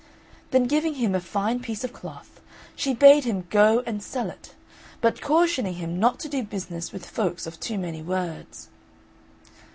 Then giving him a fine piece of cloth, she bade him go and sell it, but cautioning him not to do business with folks of too many words.